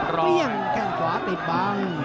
เรียกแข้งขวาติดบัง